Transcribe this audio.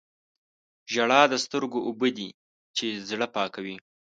• ژړا د سترګو اوبه دي چې زړه پاکوي.